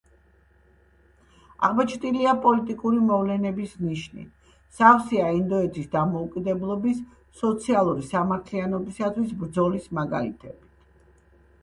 აღბეჭდილია პოლიტიკური მოვლენების ნიშნით, სავსეა ინდოეთის დამოუკიდებლობის, სოციალური სამართლიანობისათვის ბრძოლის მაგალითებით.